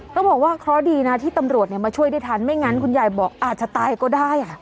ต้องบอกว่าเคราะห์ดีนะที่ตำรวจมาช่วยได้ทันไม่งั้นคุณยายบอกอาจจะตายก็ได้